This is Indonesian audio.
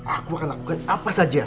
aku akan lakukan apa saja